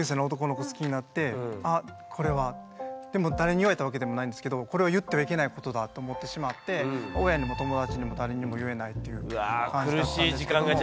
でも誰に言われたわけでもないんですけどこれを言ってはいけないことだと思ってしまって親にも友達にも誰にも言えないっていう感じ。